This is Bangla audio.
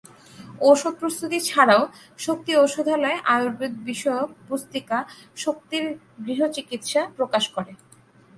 ঔষধ প্রস্তুতি ছাড়াও শক্তি ঔষধালয় আয়ুর্বেদ বিষয়ক পুস্তিকা "শক্তির গৃহ চিকিৎসা" প্রকাশ করে।